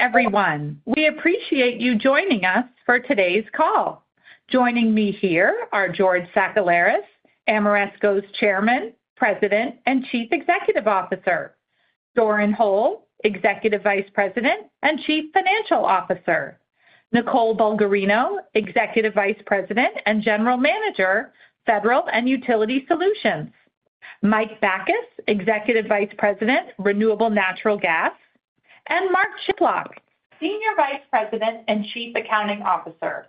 Afternoon, everyone. We appreciate you joining us for today's call. Joining me here are George Sakellaris, Ameresco's Chairman, President, and Chief Executive Officer; Doran Hole, Executive Vice President and Chief Financial Officer; Nicole Bulgarino, Executive Vice President and General Manager, Federal and Utility Solutions; Mike Bakas, Executive Vice President, Renewable Natural Gas; and Mark Chiplock, Senior Vice President and Chief Accounting Officer.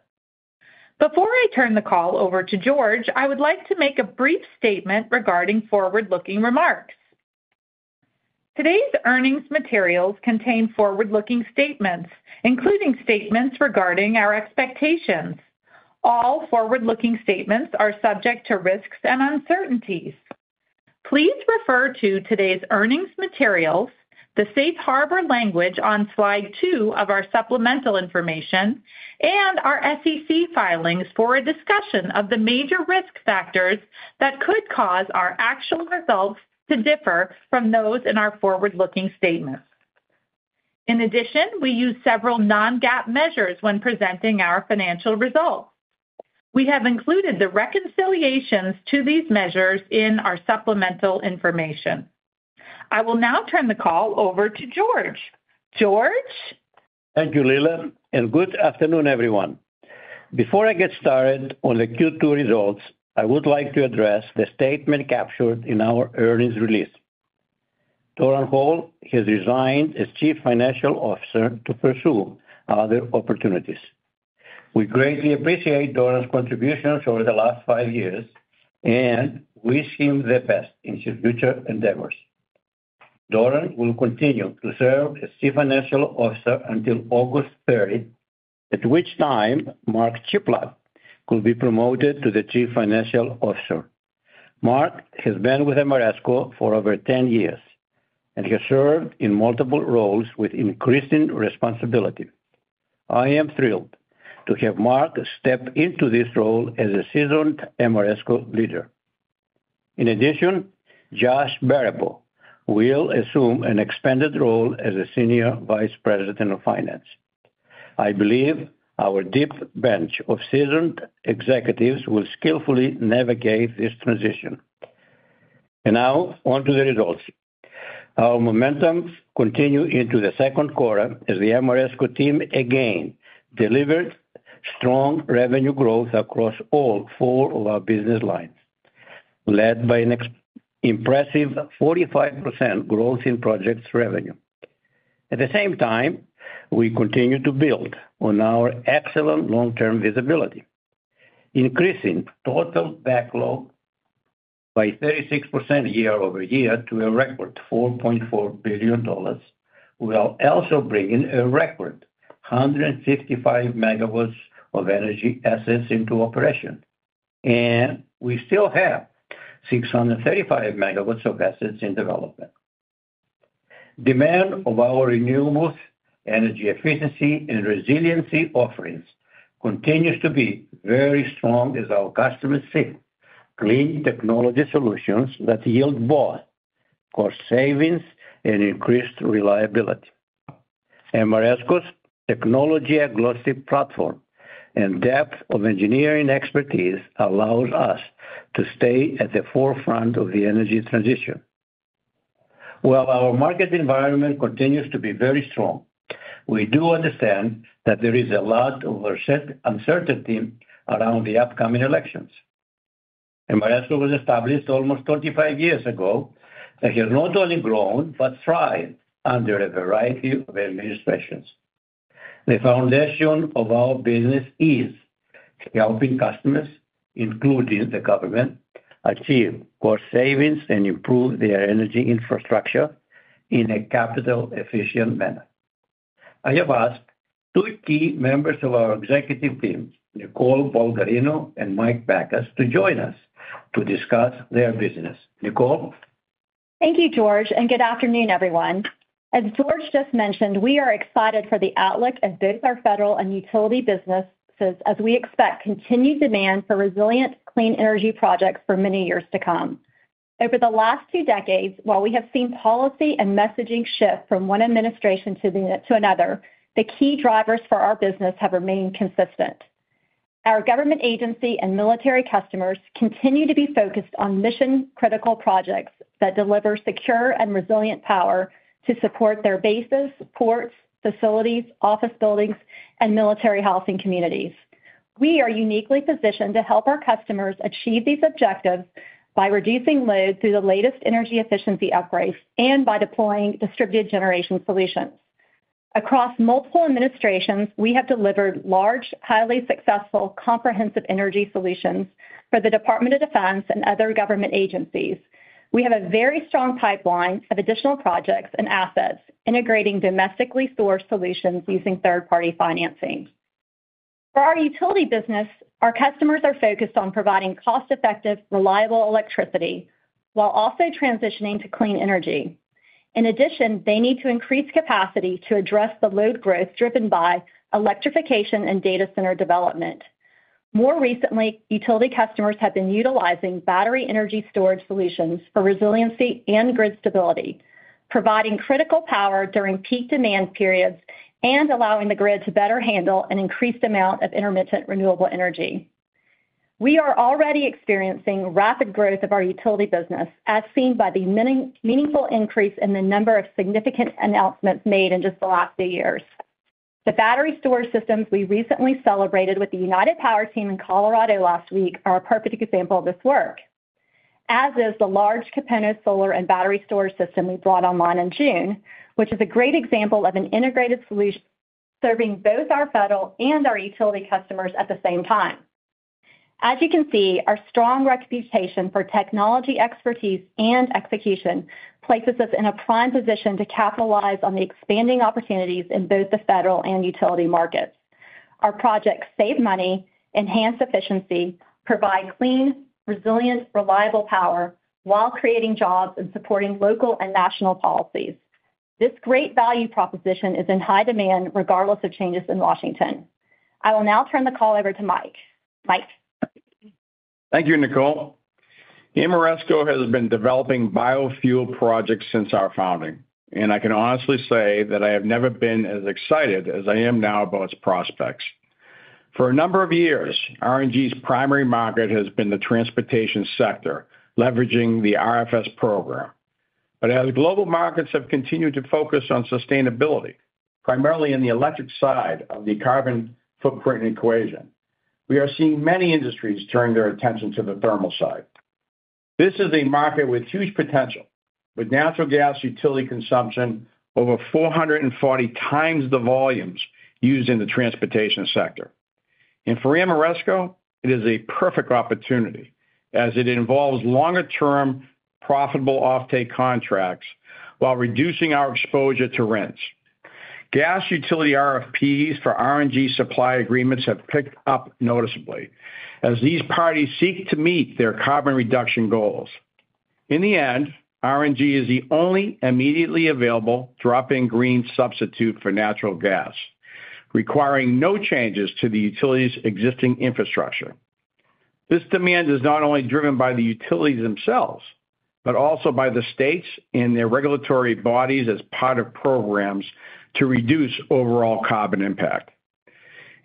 Before I turn the call over to George, I would like to make a brief statement regarding forward-looking remarks. Today's earnings materials contain forward-looking statements, including statements regarding our expectations. All forward-looking statements are subject to risks and uncertainties. Please refer to today's earnings materials, the safe harbor language on slide two of our supplemental information, and our SEC filings for a discussion of the major risk factors that could cause our actual results to differ from those in our forward-looking statements. In addition, we use several non-GAAP measures when presenting our financial results. We have included the reconciliations to these measures in our supplemental information. I will now turn the call over to George. George. Thank you, Leila, and good afternoon, everyone. Before I get started on the Q2 results, I would like to address the statement captured in our earnings release. Doran Hole has resigned as Chief Financial Officer to pursue other opportunities. We greatly appreciate Doran's contributions over the last five years and wish him the best in his future endeavors. Doran will continue to serve as Chief Financial Officer until August 30, at which time Mark Chiplock could be promoted to the Chief Financial Officer. Mark has been with Ameresco for over 10 years, and he has served in multiple roles with increasing responsibility. I am thrilled to have Mark step into this role as a seasoned Ameresco leader. In addition, Josh Baribeau will assume an expanded role as a Senior Vice President of Finance. I believe our deep bench of seasoned executives will skillfully navigate this transition. And now, on to the results. Our momentum continued into the second quarter as the Ameresco team again delivered strong revenue growth across all four of our business lines, led by an impressive 45% growth in project revenue. At the same time, we continue to build on our excellent long-term visibility, increasing total backlog by 36% year-over-year to a record $4.4 billion, while also bringing a record 155 MW of energy assets into operation. And we still have 635 MW of assets in development. Demand of our renewables, energy efficiency, and resiliency offerings continues to be very strong, as our customers say. Clean technology solutions that yield both cost savings and increased reliability. Ameresco's technology-agnostic platform and depth of engineering expertise allow us to stay at the forefront of the energy transition. While our market environment continues to be very strong, we do understand that there is a lot of uncertainty around the upcoming elections. Ameresco was established almost 35 years ago, and has not only grown but thrived under a variety of administrations. The foundation of our business is helping customers, including the government, achieve cost savings and improve their energy infrastructure in a capital-efficient manner. I have asked two key members of our executive team, Nicole Bulgarino and Mike Bakas, to join us to discuss their business. Nicole? Thank you, George, and good afternoon, everyone. As George just mentioned, we are excited for the outlook of both our federal and utility businesses, as we expect continued demand for resilient, clean energy projects for many years to come. Over the last two decades, while we have seen policy and messaging shift from one administration to another, the key drivers for our business have remained consistent. Our government agency and military customers continue to be focused on mission-critical projects that deliver secure and resilient power to support their bases, ports, facilities, office buildings, and military housing communities. We are uniquely positioned to help our customers achieve these objectives by reducing load through the latest energy efficiency upgrades and by deploying distributed generation solutions. Across multiple administrations, we have delivered large, highly successful, comprehensive energy solutions for the Department of Defense and other government agencies. We have a very strong pipeline of additional projects and assets, integrating domestically sourced solutions using third-party financing. For our utility business, our customers are focused on providing cost-effective, reliable electricity while also transitioning to clean energy. In addition, they need to increase capacity to address the load growth driven by electrification and data center development. More recently, utility customers have been utilizing battery energy storage solutions for resiliency and grid stability, providing critical power during peak demand periods and allowing the grid to better handle an increased amount of intermittent renewable energy. We are already experiencing rapid growth of our utility business, as seen by the meaningful increase in the number of significant announcements made in just the last few years. The battery storage systems we recently celebrated with the United Power team in Colorado last week are a perfect example of this work, as is the large Kūpono Solar and battery storage system we brought online in June, which is a great example of an integrated solution serving both our federal and our utility customers at the same time. As you can see, our strong reputation for technology expertise and execution places us in a prime position to capitalize on the expanding opportunities in both the federal and utility markets. Our projects save money, enhance efficiency, provide clean, resilient, reliable power while creating jobs and supporting local and national policies. This great value proposition is in high demand, regardless of changes in Washington. I will now turn the call over to Mike. Mike. Thank you, Nicole. Ameresco has been developing biofuel projects since our founding, and I can honestly say that I have never been as excited as I am now about its prospects. For a number of years, RNG's primary market has been the transportation sector, leveraging the RFS program. But as global markets have continued to focus on sustainability, primarily in the electric side of the carbon footprint equation, we are seeing many industries turn their attention to the thermal side. This is a market with huge potential, with natural gas utility consumption over 440 times the volumes used in the transportation sector. For Ameresco, it is a perfect opportunity, as it involves longer-term, profitable offtake contracts while reducing our exposure to RINs. Gas utility RFPs for RNG supply agreements have picked up noticeably, as these parties seek to meet their carbon reduction goals. In the end, RNG is the only immediately available drop-in green substitute for natural gas, requiring no changes to the utility's existing infrastructure. This demand is not only driven by the utilities themselves but also by the states and their regulatory bodies as part of programs to reduce overall carbon impact.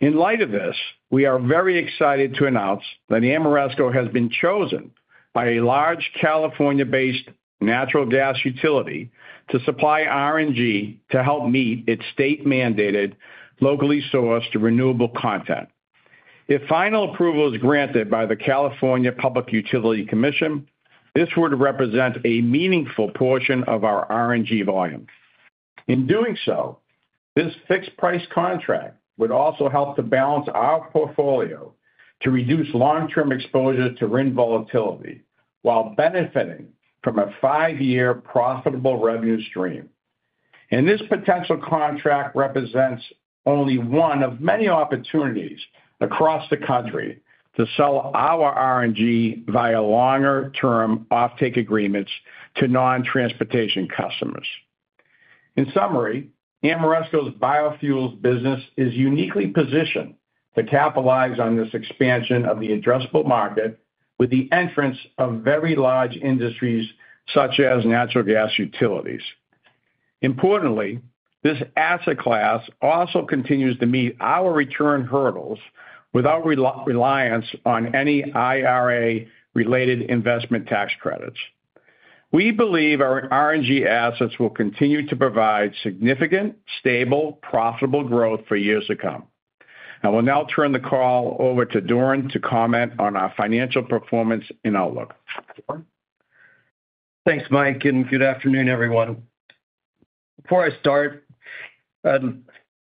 In light of this, we are very excited to announce that Ameresco has been chosen by a large California-based natural gas utility to supply RNG to help meet its state-mandated locally sourced renewable content. If final approval is granted by the California Public Utilities Commission, this would represent a meaningful portion of our RNG volume. In doing so, this fixed-price contract would also help to balance our portfolio to reduce long-term exposure to RNG volatility while benefiting from a five-year profitable revenue stream. This potential contract represents only one of many opportunities across the country to sell our RNG via longer-term offtake agreements to non-transportation customers. In summary, Ameresco's biofuels business is uniquely positioned to capitalize on this expansion of the addressable market with the entrance of very large industries such as natural gas utilities. Importantly, this asset class also continues to meet our return hurdles without reliance on any IRA-related investment tax credits. We believe our RNG assets will continue to provide significant, stable, profitable growth for years to come. I will now turn the call over to Doran to comment on our financial performance and outlook. Thanks, Mike, and good afternoon, everyone. Before I start, I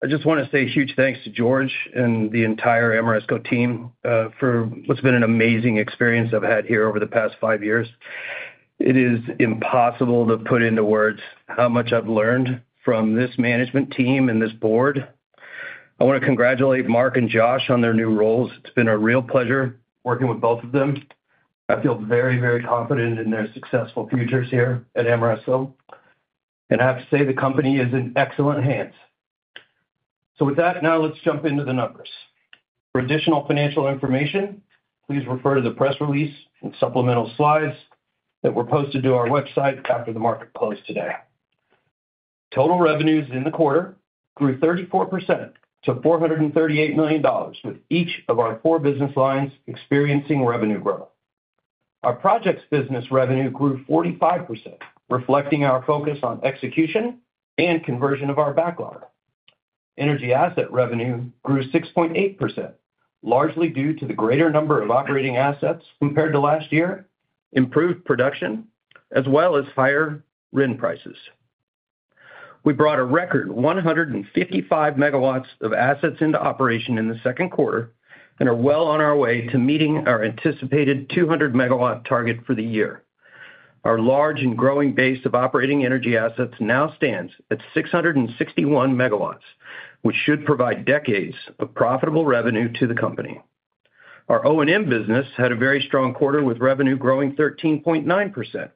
just want to say a huge thanks to George and the entire Ameresco team for what's been an amazing experience I've had here over the past five years. It is impossible to put into words how much I've learned from this management team and this board. I want to congratulate Mark and Josh on their new roles. It's been a real pleasure working with both of them. I feel very, very confident in their successful futures here at Ameresco. And I have to say the company is in excellent hands. So with that, now let's jump into the numbers. For additional financial information, please refer to the press release and supplemental slides that were posted to our website after the market closed today. Total revenues in the quarter grew 34% to $438 million, with each of our four business lines experiencing revenue growth. Our projects' business revenue grew 45%, reflecting our focus on execution and conversion of our backlog. Energy asset revenue grew 6.8%, largely due to the greater number of operating assets compared to last year, improved production, as well as higher RIN prices. We brought a record 155 MW of assets into operation in the second quarter and are well on our way to meeting our anticipated 200 MW target for the year. Our large and growing base of operating energy assets now stands at 661 MW, which should provide decades of profitable revenue to the company. Our O&M business had a very strong quarter with revenue growing 13.9%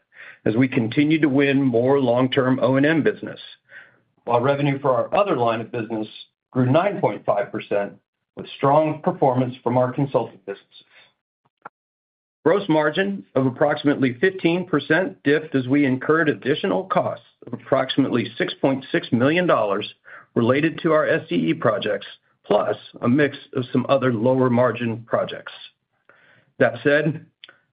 as we continued to win more long-term O&M business, while revenue for our other line of business grew 9.5% with strong performance from our consultant businesses. Gross margin of approximately 15% dipped as we incurred additional costs of approximately $6.6 million related to our SCE projects, plus a mix of some other lower margin projects. That said,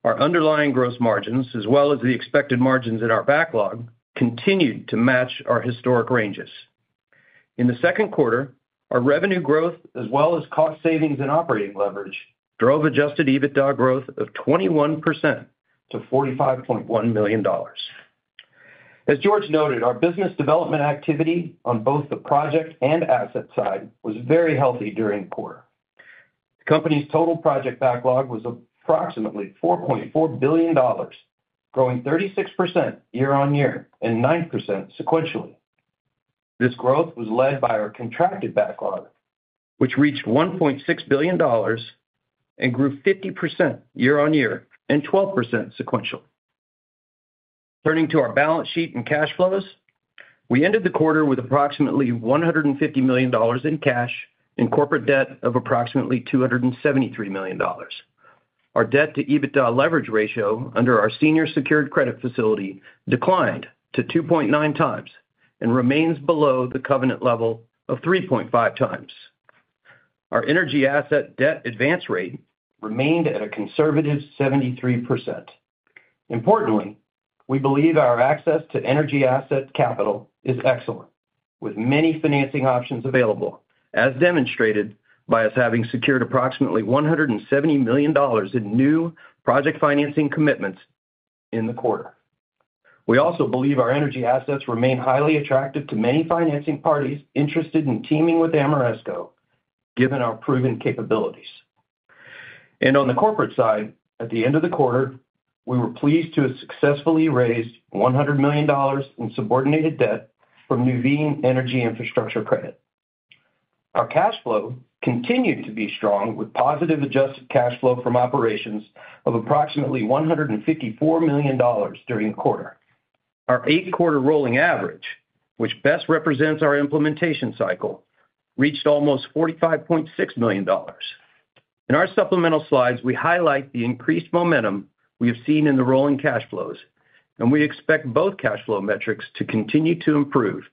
our underlying gross margins, as well as the expected margins in our backlog, continued to match our historic ranges. In the second quarter, our revenue growth, as well as cost savings and operating leverage, drove adjusted EBITDA growth of 21% to $45.1 million. As George noted, our business development activity on both the project and asset side was very healthy during the quarter. The company's total project backlog was approximately $4.4 billion, growing 36% year-on-year and 9% sequentially. This growth was led by our contracted backlog, which reached $1.6 billion and grew 50% year-on-year and 12% sequentially. Turning to our balance sheet and cash flows, we ended the quarter with approximately $150 million in cash and corporate debt of approximately $273 million. Our debt-to-EBITDA leverage ratio under our senior secured credit facility declined to 2.9x and remains below the covenant level of 3.5x. Our energy asset debt advance rate remained at a conservative 73%. Importantly, we believe our access to energy asset capital is excellent, with many financing options available, as demonstrated by us having secured approximately $170 million in new project financing commitments in the quarter. We also believe our energy assets remain highly attractive to many financing parties interested in teaming with Ameresco, given our proven capabilities. On the corporate side, at the end of the quarter, we were pleased to have successfully raised $100 million in subordinated debt from Nuveen Energy Infrastructure Credit. Our cash flow continued to be strong, with positive adjusted cash flow from operations of approximately $154 million during the quarter. Our eight-quarter rolling average, which best represents our implementation cycle, reached almost $45.6 million. In our supplemental slides, we highlight the increased momentum we have seen in the rolling cash flows, and we expect both cash flow metrics to continue to improve,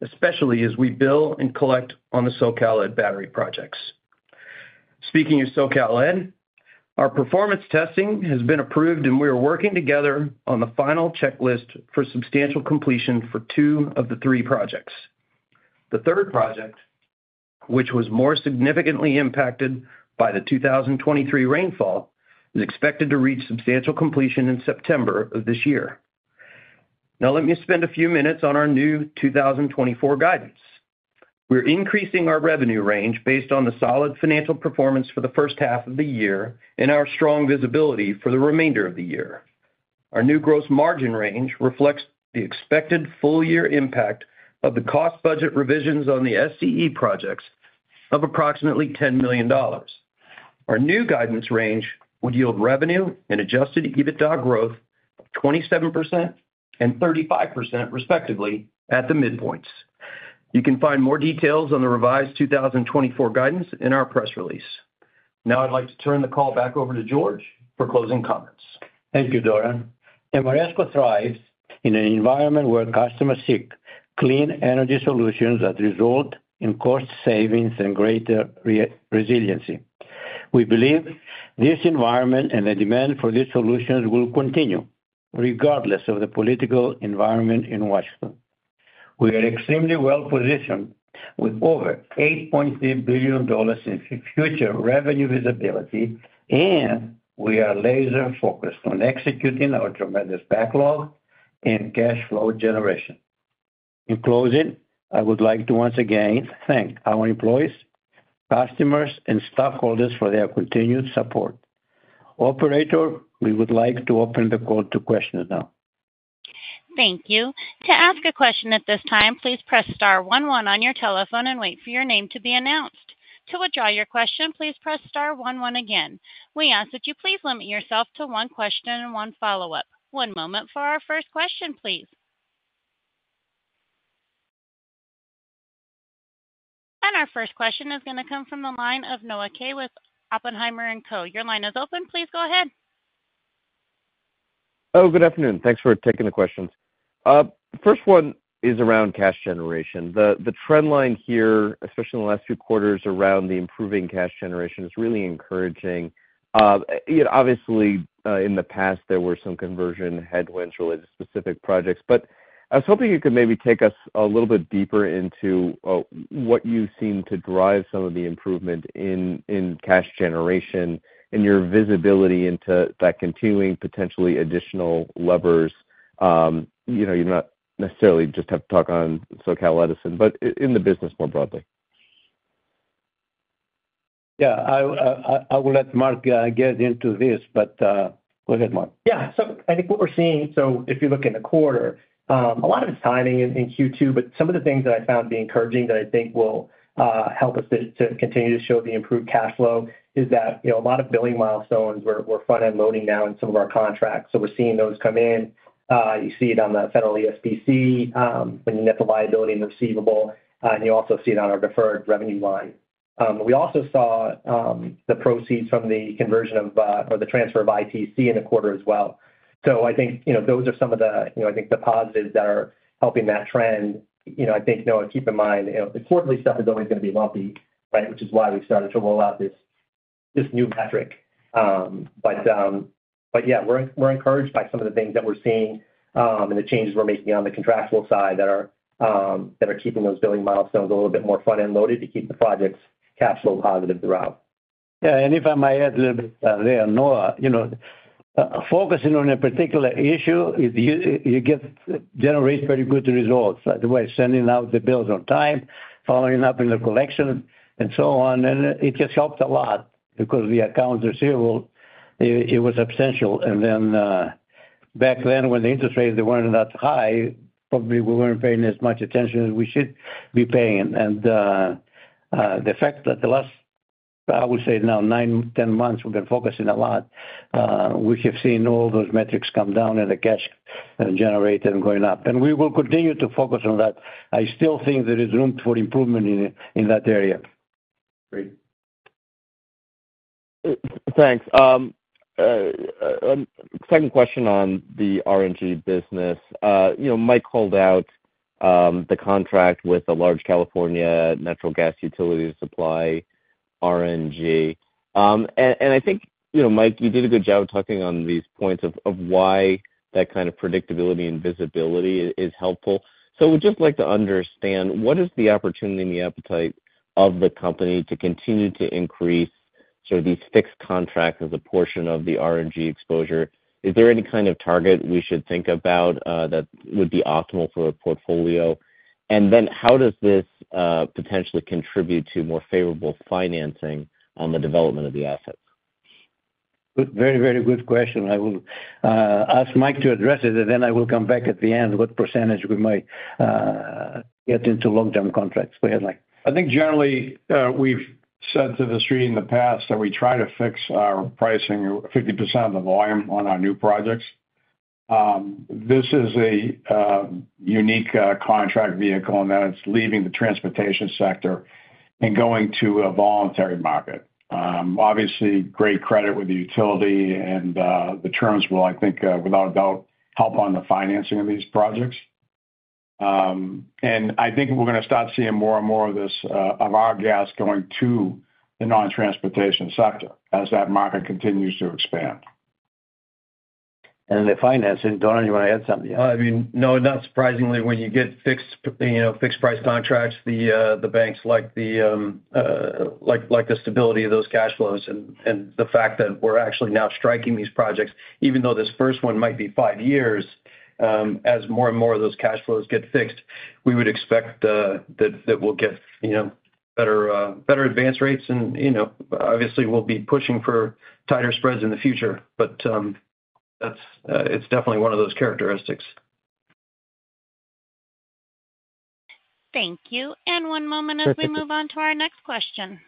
especially as we bill and collect on the SoCal Ed battery projects. Speaking of SoCal Ed, our performance testing has been approved, and we are working together on the final checklist for substantial completion for two of the three projects. The third project, which was more significantly impacted by the 2023 rainfall, is expected to reach substantial completion in September of this year. Now, let me spend a few minutes on our new 2024 guidance. We're increasing our revenue range based on the solid financial performance for the first half of the year and our strong visibility for the remainder of the year. Our new gross margin range reflects the expected full-year impact of the cost budget revisions on the SCE projects of approximately $10 million. Our new guidance range would yield revenue and adjusted EBITDA growth of 27% and 35%, respectively, at the midpoints. You can find more details on the revised 2024 guidance in our press release. Now, I'd like to turn the call back over to George for closing comments. Thank you, Doran. Ameresco thrives in an environment where customers seek clean energy solutions that result in cost savings and greater resiliency. We believe this environment and the demand for these solutions will continue, regardless of the political environment in Washington. We are extremely well positioned with over $8.3 billion in future revenue visibility, and we are laser-focused on executing our tremendous backlog and cash flow generation. In closing, I would like to once again thank our employees, customers, and stakeholders for their continued support. Operator, we would like to open the call to questions now. Thank you. To ask a question at this time, please press star one one on your telephone and wait for your name to be announced. To withdraw your question, please press star one one again. We ask that you please limit yourself to one question and one follow-up. One moment for our first question, please. And our first question is going to come from the line of Noah Kaye with Oppenheimer & Co. Your line is open. Please go ahead. Oh, good afternoon. Thanks for taking the questions. First one is around cash generation. The trend line here, especially in the last few quarters around the improving cash generation, is really encouraging. Obviously, in the past, there were some conversion headwinds related to specific projects. But I was hoping you could maybe take us a little bit deeper into what you've seen to drive some of the improvement in cash generation and your visibility into that continuing potentially additional levers? You don't necessarily just have to talk on SoCal Edison, but in the business more broadly. Yeah. I will let Mark get into this, but go ahead, Mark. Yeah. So I think what we're seeing, so if you look in the quarter, a lot of it's timing in Q2, but some of the things that I found to be encouraging that I think will help us to continue to show the improved cash flow is that a lot of billing milestones were front-end loading now in some of our contracts. So we're seeing those come in. You see it on the federal ESPC when you net the liability and the receivable, and you also see it on our deferred revenue line. We also saw the proceeds from the conversion of or the transfer of ITC in the quarter as well. So I think those are some of the, I think, the positives that are helping that trend. I think, Noah, keep in mind, the quarterly stuff is always going to be lumpy, right, which is why we've started to roll out this new metric. But yeah, we're encouraged by some of the things that we're seeing and the changes we're making on the contractual side that are keeping those billing milestones a little bit more front-end loaded to keep the projects' cash flow positive throughout. Yeah. And if I may add a little bit there, Noah, focusing on a particular issue, you generate very good results. By the way, sending out the bills on time, following up in the collection, and so on, and it just helped a lot because the accounts receivable, it was essential. And then back then, when the interest rates weren't that high, probably we weren't paying as much attention as we should be paying. And the fact that the last, I would say now, nine, 10 months, we've been focusing a lot, we have seen all those metrics come down and the cash generated and going up. And we will continue to focus on that. I still think there is room for improvement in that area. Great. Thanks. Second question on the RNG business. Mike called out the contract with a large California natural gas utility supply RNG. And I think, Mike, you did a good job talking on these points of why that kind of predictability and visibility is helpful. So we'd just like to understand, what is the opportunity and the appetite of the company to continue to increase sort of these fixed contracts as a portion of the RNG exposure? Is there any kind of target we should think about that would be optimal for a portfolio? And then how does this potentially contribute to more favorable financing on the development of the assets? Very, very good question. I will ask Mike to address it, and then I will come back at the end, what percentage we might get into long-term contracts. Go ahead, Mike. I think generally we've said to the street in the past that we try to fix our pricing 50% of the volume on our new projects. This is a unique contract vehicle in that it's leaving the transportation sector and going to a voluntary market. Obviously, great credit with the utility, and the terms will, I think, without a doubt, help on the financing of these projects. I think we're going to start seeing more and more of this of our gas going to the non-transportation sector as that market continues to expand. The financing, Doran, you want to add something? I mean, no, not surprisingly, when you get fixed price contracts, the banks like the stability of those cash flows and the fact that we're actually now striking these projects, even though this first one might be five years, as more and more of those cash flows get fixed, we would expect that we'll get better advance rates. And obviously, we'll be pushing for tighter spreads in the future, but it's definitely one of those characteristics. Thank you. One moment as we move on to our next question.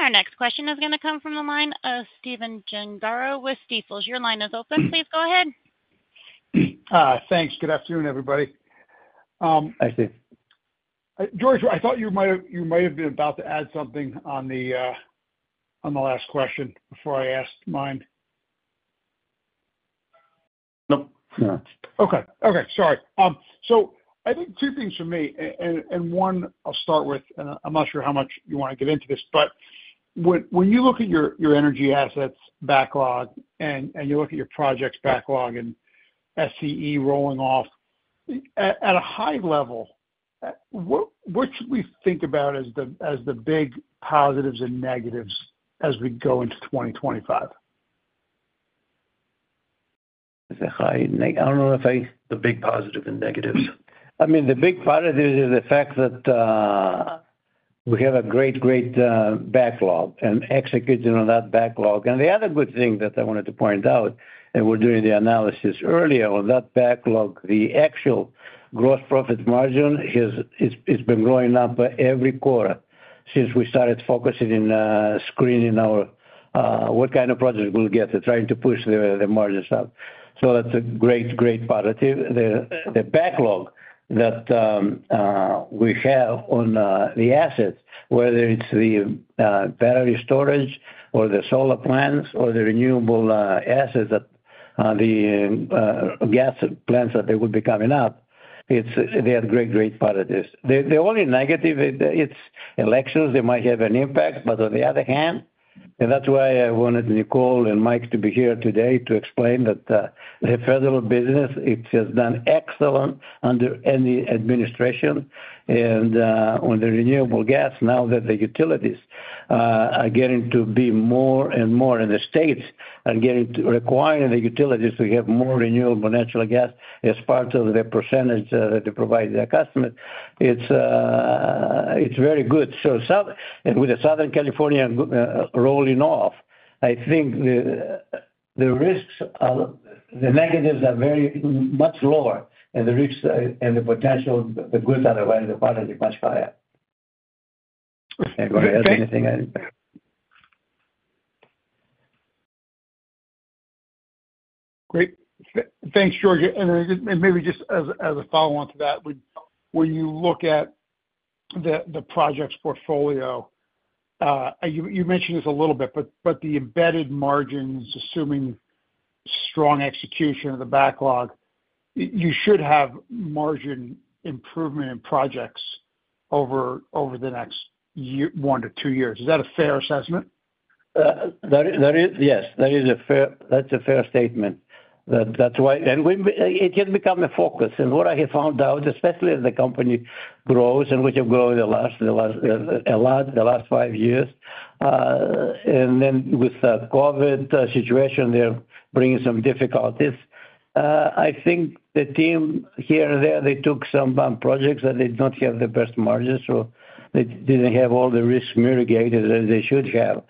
Our next question is going to come from the line of Stephen Gengaro with Stifel. Your line is open. Please go ahead. Thanks. Good afternoon, everybody. Hi Steve. George, I thought you might have been about to add something on the last question before I asked mine. Nope. Okay. Sorry. So, I think two things for me. One I'll start with, and I'm not sure how much you want to get into this, but when you look at your energy assets backlog and you look at your projects backlog and SCE rolling off, at a high level, what should we think about as the big positives and negatives as we go into 2025? I don't know if I. The big positives and negatives. I mean, the big positives are the fact that we have a great, great backlog and executing on that backlog. The other good thing that I wanted to point out, and we're doing the analysis earlier, on that backlog, the actual gross profit margin has been growing up every quarter since we started focusing in screening what kind of projects we'll get and trying to push the margins up. So that's a great, great positive. The backlog that we have on the assets, whether it's the battery storage or the solar plants or the renewable assets that the gas plants that they will be coming up, they have great, great positives. The only negative, it's elections. They might have an impact, but on the other hand, and that's why I wanted Nicole and Mike to be here today to explain that the federal business, it has done excellent under any administration. On the renewable gas, now that the utilities are getting to be more and more and the states are requiring the utilities to have more renewable natural gas as part of the percentage that they provide their customers, it's very good. With the Southern California rolling off, I think the risks, the negatives are very much lower, and the risks and the potential, the goods that are running the quarter are much higher. Go ahead. Okay. Thanks. Great. Thanks, George. And maybe just as a follow-on to that, when you look at the projects portfolio, you mentioned this a little bit, but the embedded margins, assuming strong execution of the backlog, you should have margin improvement in projects over the next one to two years. Is that a fair assessment? Yes. That is a fair statement. That's why. And it can become a focus. And what I have found out, especially as the company grows and which have grown a lot the last five years, and then with the COVID situation, they're bringing some difficulties. I think the team here and there, they took some projects that did not have the best margins, so they didn't have all the risks mitigated as they should have.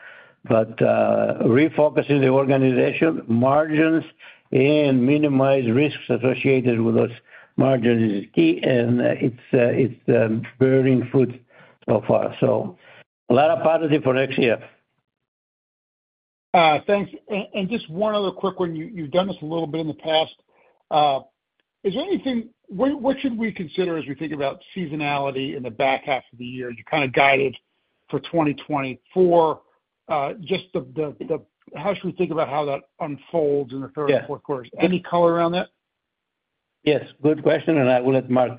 But refocusing the organization, margins, and minimize risks associated with those margins is key, and it's bearing fruit so far. So a lot of positive for next year. Thanks. And just one other quick one. You've done this a little bit in the past. Is there anything? What should we consider as we think about seasonality in the back half of the year? You kind of guided for 2024, just how should we think about how that unfolds in the third and fourth quarters? Any color around that? Yes. Good question. I will let Mark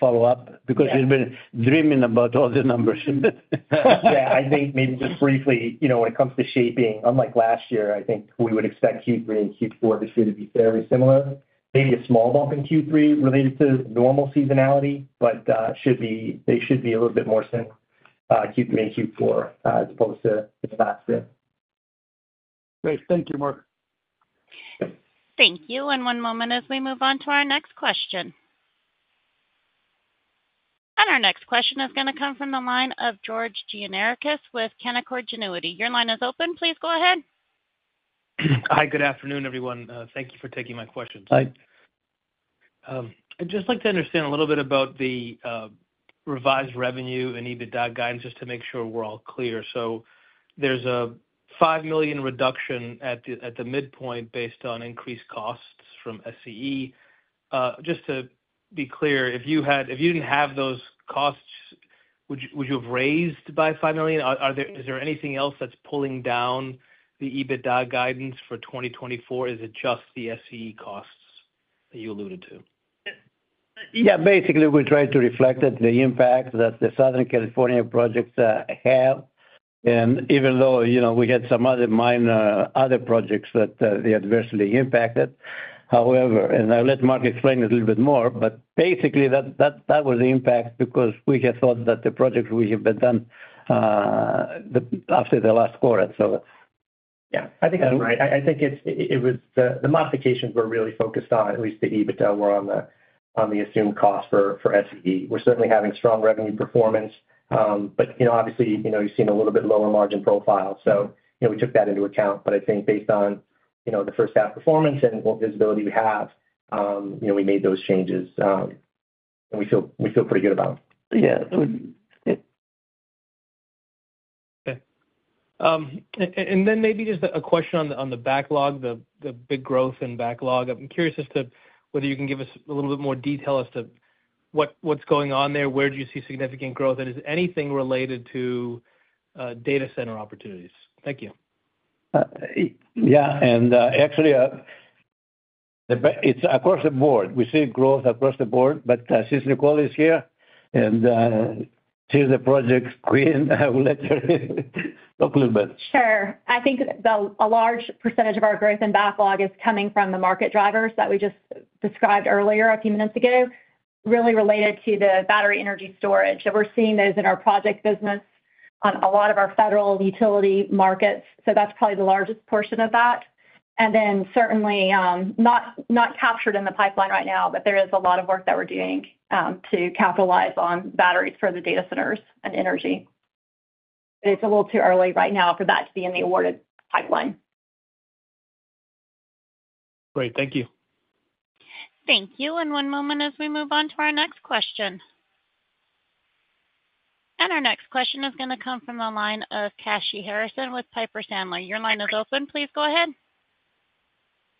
follow up because he's been dreaming about all the numbers. Yeah. I think maybe just briefly, when it comes to shaping, unlike last year, I think we would expect Q3 and Q4 this year to be fairly similar. Maybe a small bump in Q3 related to normal seasonality, but they should be a little bit more similar Q3 and Q4 as opposed to last year. Great. Thank you, Mark. Thank you. And one moment as we move on to our next question. And our next question is going to come from the line of George Gianarikas with Canaccord Genuity. Your line is open. Please go ahead. Hi. Good afternoon, everyone. Thank you for taking my questions. Hi. I'd just like to understand a little bit about the revised revenue and EBITDA guidance just to make sure we're all clear. So there's a $5 million reduction at the midpoint based on increased costs from SCE. Just to be clear, if you didn't have those costs, would you have raised by $5 million? Is there anything else that's pulling down the EBITDA guidance for 2024? Is it just the SCE costs that you alluded to? Yeah. Basically, we're trying to reflect the impact that the Southern California projects have. And even though we had some other minor other projects that they adversely impacted, however, and I'll let Mark explain it a little bit more, but basically, that was the impact because we had thought that the projects we had been done after the last quarter, so. Yeah. I think that's right. I think it was the modifications we're really focused on, at least the EBITDA were on the assumed cost for SCE. We're certainly having strong revenue performance, but obviously, you've seen a little bit lower margin profile. So we took that into account. But I think based on the first-half performance and what visibility we have, we made those changes, and we feel pretty good about them. Yeah. Okay. And then maybe just a question on the backlog, the big growth in backlog. I'm curious as to whether you can give us a little bit more detail as to what's going on there, where do you see significant growth, and is anything related to data center opportunities? Thank you. Yeah. And actually, across the board, we see growth across the board, but since Nicole is here and she's the project queen, I will let her talk a little bit. Sure. I think a large percentage of our growth in backlog is coming from the market drivers that we just described earlier a few minutes ago, really related to the battery energy storage. We're seeing those in our project business on a lot of our federal utility markets. So that's probably the largest portion of that. And then certainly not captured in the pipeline right now, but there is a lot of work that we're doing to capitalize on batteries for the data centers and energy. But it's a little too early right now for that to be in the awarded pipeline. Great. Thank you. Thank you. One moment as we move on to our next question. Our next question is going to come from the line of Kashy Harrison with Piper Sandler. Your line is open. Please go ahead.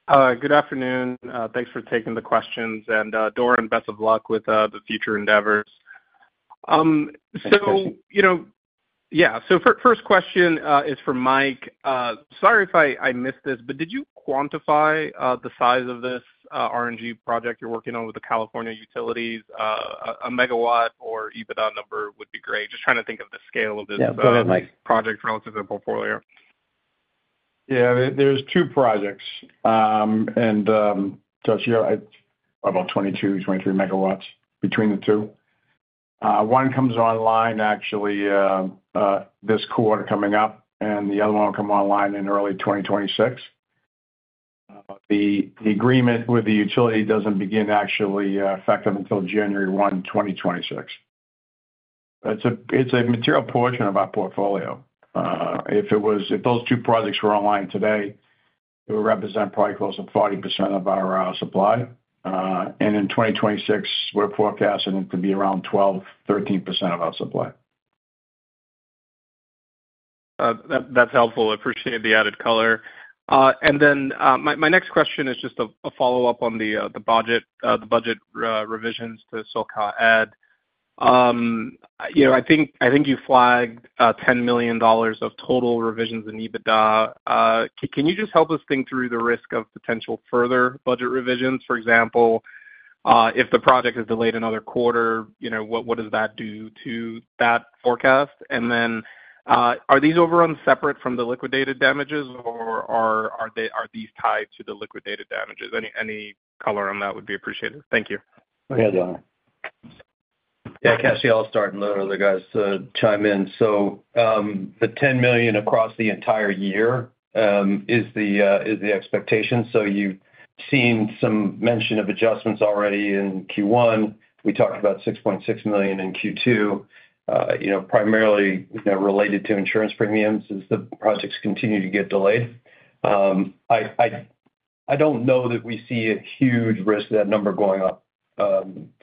Good afternoon. Thanks for taking the questions. And, Doran, best of luck with the future endeavors. Thanks, Kashy. Yeah. So first question is for Mike. Sorry if I missed this, but did you quantify the size of this RNG project you're working on with the California utilities? A megawatt or EBITDA number would be great. Just trying to think of the scale of this project relative to the portfolio. Yeah. There's two projects. And so here, about 22-23 MW between the two. One comes online actually this quarter coming up, and the other one will come online in early 2026. The agreement with the utility doesn't begin actually effective until January 1, 2026. It's a material portion of our portfolio. If those two projects were online today, it would represent probably close to 40% of our supply. And in 2026, we're forecasting it to be around 12%-13% of our supply. That's helpful. I appreciate the added color. And then my next question is just a follow-up on the budget revisions to SoCal Ed. I think you flagged $10 million of total revisions in EBITDA. Can you just help us think through the risk of potential further budget revisions? For example, if the project is delayed another quarter, what does that do to that forecast? And then are these overruns separate from the liquidated damages, or are these tied to the liquidated damages? Any color on that would be appreciated. Thank you. Yeah. Kashy, I'll start and let other guys chime in. So the $10 million across the entire year is the expectation. So you've seen some mention of adjustments already in Q1. We talked about $6.6 million in Q2, primarily related to insurance premiums as the projects continue to get delayed. I don't know that we see a huge risk of that number going up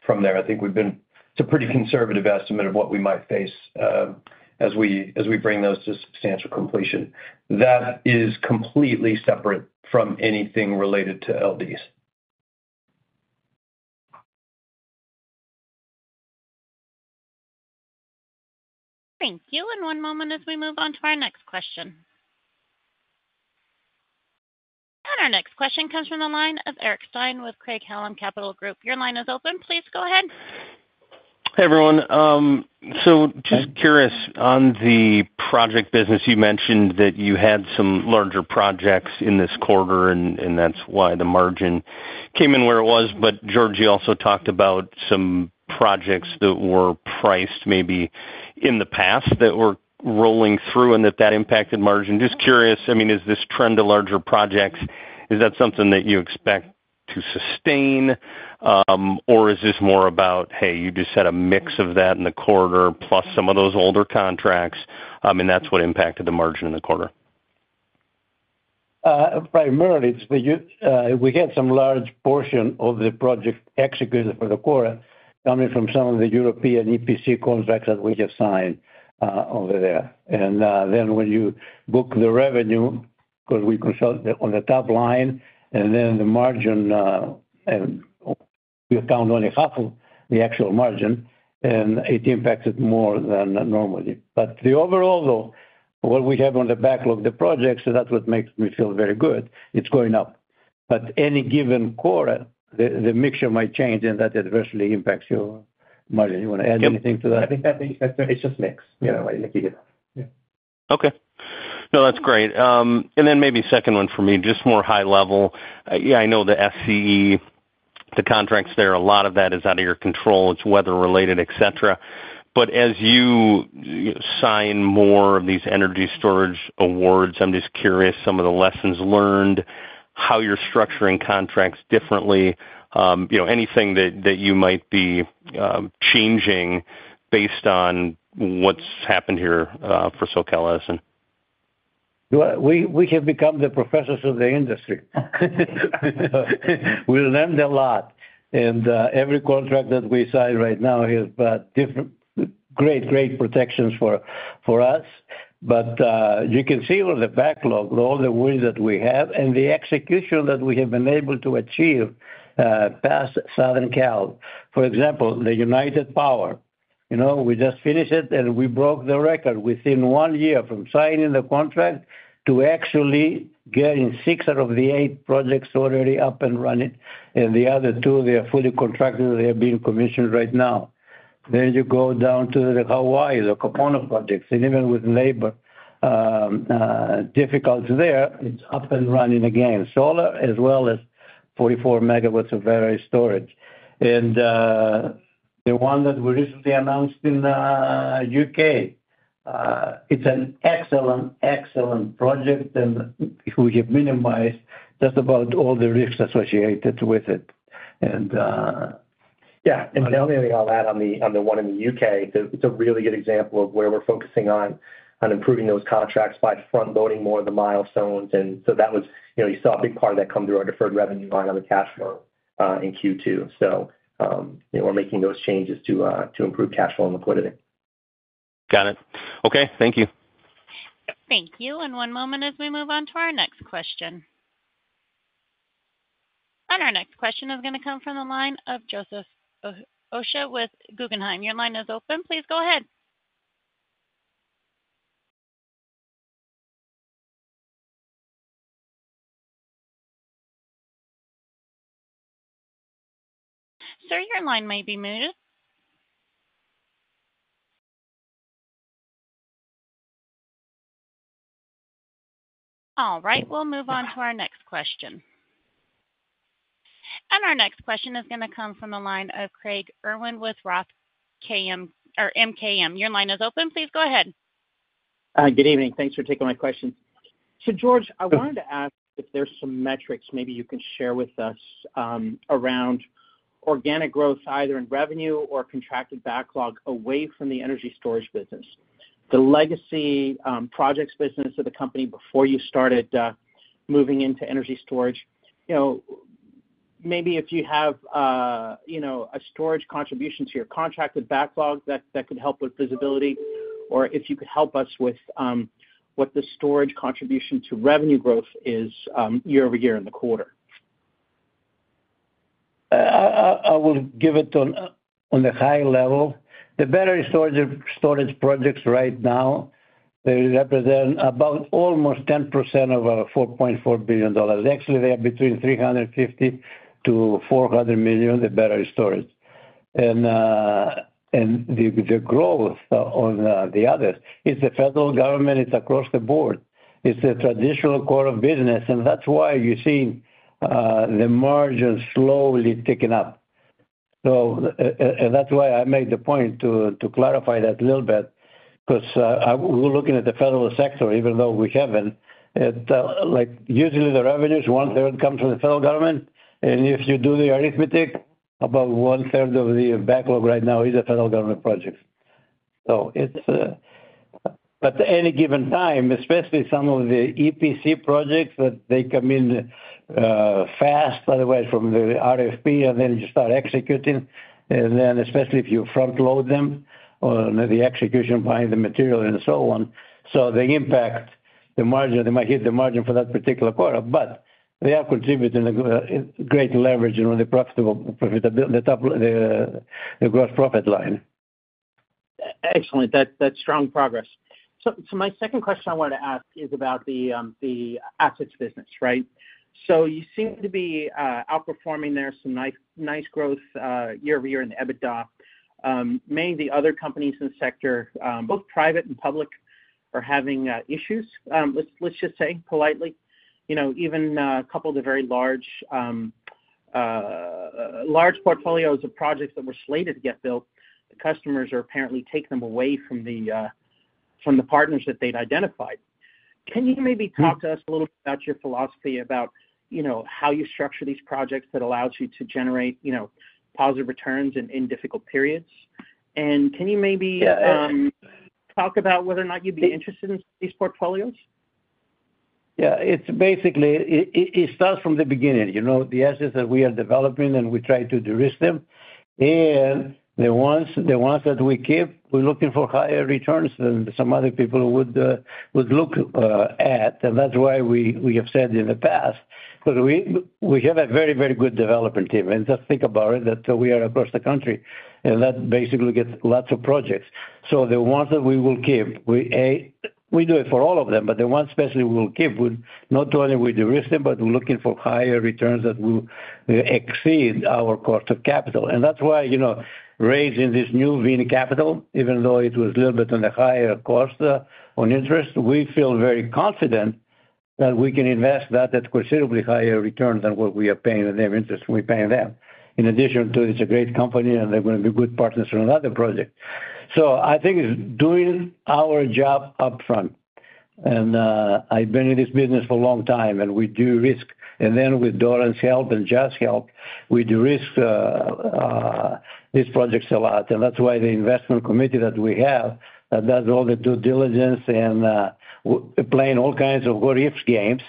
from there. I think we've been to a pretty conservative estimate of what we might face as we bring those to substantial completion. That is completely separate from anything related to LDs. Thank you. And one moment as we move on to our next question. And our next question comes from the line of Eric Stine with Craig-Hallum Capital Group. Your line is open. Please go ahead. Hey, everyone. So just curious on the project business. You mentioned that you had some larger projects in this quarter, and that's why the margin came in where it was. But George, you also talked about some projects that were priced maybe in the past that were rolling through and that that impacted margin. Just curious, I mean, is this trend to larger projects, is that something that you expect to sustain, or is this more about, hey, you just had a mix of that in the quarter plus some of those older contracts, and that's what impacted the margin in the quarter? Primarily, we had some large portion of the project executed for the quarter coming from some of the European EPC contracts that we have signed over there. And then when you book the revenue, because we consolidate on the top line, and then the margin, and we account only half of the actual margin, and it impacted more than normally. But the overall, though, what we have on the backlog, the projects, that's what makes me feel very good. It's going up. But any given quarter, the mixture might change and that adversely impacts your margin. You want to add anything to that? I think it's just mix. I think you get it. Okay. No, that's great. And then maybe second one for me, just more high level. Yeah, I know the SCE, the contracts there, a lot of that is out of your control. It's weather-related, etc. But as you sign more of these energy storage awards, I'm just curious, some of the lessons learned, how you're structuring contracts differently, anything that you might be changing based on what's happened here for SoCal Edison? We have become the professors of the industry. We learned a lot. Every contract that we sign right now has got different great, great protections for us. But you can see on the backlog, all the worries that we have and the execution that we have been able to achieve past Southern Cal. For example, the United Power, we just finished it, and we broke the record within 1 year from signing the contract to actually getting 6 out of the 8 projects already up and running. And the other two, they are fully contracted. They are being commissioned right now. Then you go down to the Hawaii, the Kūpono projects, and even with labor difficulties there, it's up and running again, solar as well as 44 MW of battery storage. The one that we recently announced in the U.K., it's an excellent, excellent project and we have minimized just about all the risks associated with it. And yeah. I'll add on the one in the U.K. It's a really good example of where we're focusing on improving those contracts by front-loading more of the milestones. And so that was you saw a big part of that come through our deferred revenue line on the cash flow in Q2. So we're making those changes to improve cash flow and liquidity. Got it. Okay. Thank you. Thank you. And one moment as we move on to our next question. And our next question is going to come from the line of Joseph Osha with Guggenheim. Your line is open. Please go ahead. Sir, your line may be muted. All right. We'll move on to our next question. And our next question is going to come from the line of Craig Irwin with Roth MKM. Your line is open. Please go ahead. Good evening. Thanks for taking my questions. So George, I wanted to ask if there's some metrics maybe you can share with us around organic growth either in revenue or contracted backlog away from the energy storage business, the legacy projects business of the company before you started moving into energy storage. Maybe if you have a storage contribution to your contracted backlog that could help with visibility, or if you could help us with what the storage contribution to revenue growth is year-over-year in the quarter. I will give it on the high level. The battery storage projects right now, they represent about almost 10% of our $4.4 billion. Actually, they are between $350 million-$400 million, the battery storage. And the growth on the others, it's the federal government, it's across the board. It's the traditional core of business. And that's why you're seeing the margin slowly ticking up. And that's why I made the point to clarify that a little bit because we're looking at the federal sector, even though we haven't. Usually, the revenues, one-third comes from the federal government. And if you do the arithmetic, about one-third of the backlog right now is the federal government projects. But at any given time, especially some of the EPC projects, they come in fast, otherwise from the RFP, and then you start executing. Then especially if you front-load them or the execution behind the material and so on. The impact, the margin, they might hit the margin for that particular quarter. They are contributing great leverage on the profitability, the gross profit line. Excellent. That's strong progress. So my second question I wanted to ask is about the assets business, right? So you seem to be outperforming there, some nice growth year-over-year in EBITDA. Many of the other companies in the sector, both private and public, are having issues, let's just say politely. Even a couple of the very large portfolios of projects that were slated to get built, the customers are apparently taking them away from the partners that they'd identified. Can you maybe talk to us a little bit about your philosophy about how you structure these projects that allows you to generate positive returns in difficult periods? And can you maybe talk about whether or not you'd be interested in these portfolios? Yeah. It's basically it starts from the beginning. The assets that we are developing and we try to de-risk them. And the ones that we keep, we're looking for higher returns than some other people would look at. And that's why we have said in the past, because we have a very, very good development team. And just think about it that we are across the country. And that basically gets lots of projects. So the ones that we will keep, we do it for all of them, but the ones especially we will keep, not only we de-risk them, but we're looking for higher returns that will exceed our cost of capital. And that's why raising this new venture capital, even though it was a little bit on the higher cost on interest, we feel very confident that we can invest that at considerably higher returns than what we are paying on their interest we pay them. In addition, it's a great company and they're going to be good partners on another project. So I think it's doing our job upfront. And I've been in this business for a long time and we do risk. And then with Doran's help and Jeff's help, we de-risk these projects a lot. That's why the investment committee that we have that does all the due diligence and playing all kinds of what-if games,